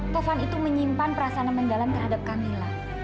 tovan itu menyimpan perasaan mendalam terhadap kamila